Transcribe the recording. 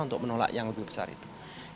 untuk menolak yang lebih besar itu